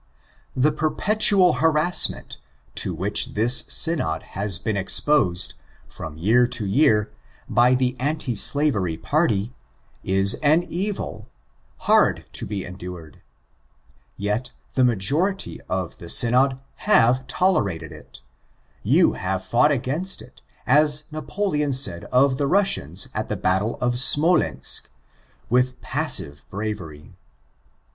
The perpetual harrassment to which this Synod has been exposed, from year to year, by the Anti Slavery party, is an evil, hard to be endured ; yet the majority of Synod have toleraled it — you have fought against it, as Napoleon said of the Russians at the battle of Smolensk, '*with passive bravery."